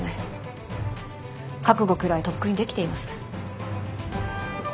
覚悟くらいとっくにできています。